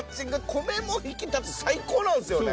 米も引き立つ最高なんですよね。